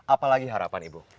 apa lagi harapan ibu